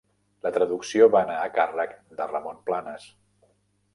La traducció va anar a càrrec de Ramon Planes.